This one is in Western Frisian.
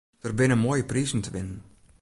Der binne moaie prizen te winnen.